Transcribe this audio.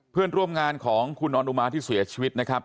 เพื่อนร่วมงานของคุณออนุมาที่เสียชีวิตนะครับ